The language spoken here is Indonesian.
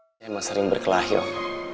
saya emang sering berkelahi waktu